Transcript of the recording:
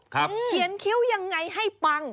เขียนคิ้วยังไงให้ปัง